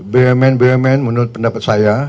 bumn bumn menurut pendapat saya